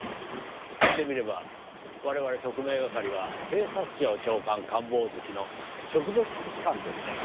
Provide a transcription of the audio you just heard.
言ってみれば我々特命係は警察庁長官官房付の直属機関ですから。